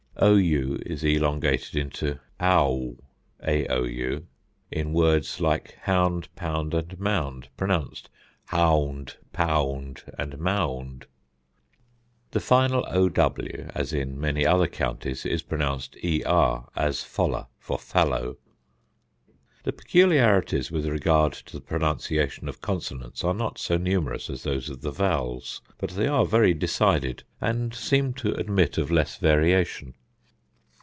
ou is elongated into aou in words like hound, pound, and mound; pronounced haound, paound, and maound. The final ow, as in many other counties, is pronounced er, as foller for fallow. The peculiarities with regard to the pronunciation of consonants are not so numerous as those of the vowels, but they are very decided, and seem to admit of less variation.